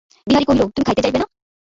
বিহারী কহিল, তুমি খাইতে যাইবে না?